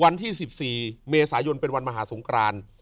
วันที่๑๔เมษายนเป็นวันมหาสงคราน